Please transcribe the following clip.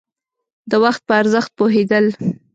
د وخت په ارزښت پوهېدل.